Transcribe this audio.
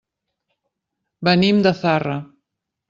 Venim de Zarra.